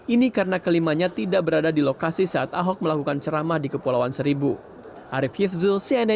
ini karena kelimanya tidak berada di lokasi saat ahok melakukan ceramah di kepulauan seribu